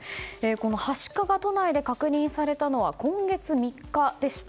はしかが都内で確認されたのは今月３日でした。